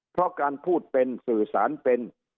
เพราะการพูดเป็นสื่อสารเป็น